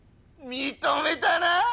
認めたな？